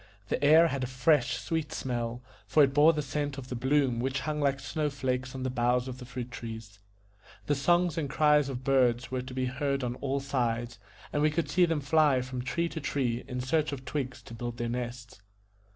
The air had a fresh sweet smell, for it bore the scent of the bloom which hung like snow flakes on the boughs of the fruit trees; the songs and cries of the birds were to be heard on all sides, and we could see them fly from tree to tree in search of twigs to build their nests.